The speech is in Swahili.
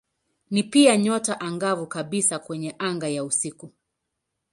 Ni pia nyota angavu kabisa kwenye anga ya usiku.